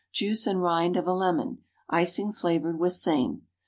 Juice and rind of a lemon. Icing flavored with same.